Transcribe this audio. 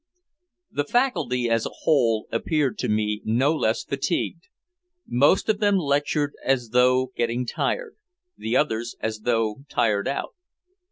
The faculty, as a whole, appeared to me no less fatigued. Most of them lectured as though getting tired, the others as though tired out.